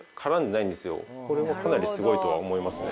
これもかなりスゴいとは思いますね。